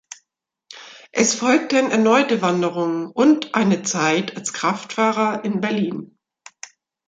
Es folgten erneute Wanderungen und eine Zeit als Kraftfahrer in Berlin.